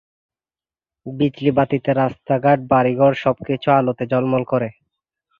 বিজলি বাতিতে রাস্তাঘাট, বাড়িঘর সবকিছু আলোতে ঝলমল করে।